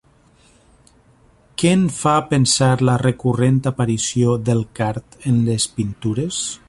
Què en fa pensar la recurrent aparició del card en les pintures?